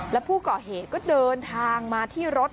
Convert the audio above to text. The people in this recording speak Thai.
และผู้ก่อเหตุก็เดินทางมาที่รถ